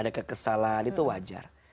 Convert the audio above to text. ada kekesalahan itu wajar